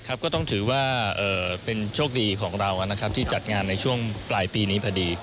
ก็ต้องถือว่าเป็นโชคดีของเราที่จัดงานในช่วงปลายปีนี้พอดี